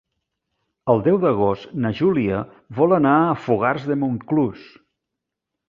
El deu d'agost na Júlia vol anar a Fogars de Montclús.